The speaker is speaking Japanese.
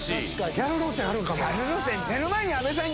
ギャル路線あるかもな。